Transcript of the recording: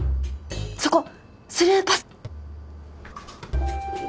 そこスルーパス！